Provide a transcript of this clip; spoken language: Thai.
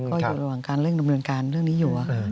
ก็อยู่ระหว่างการเร่งดำเนินการเรื่องนี้อยู่